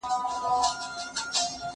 زه مخکي سړو ته خواړه ورکړي وو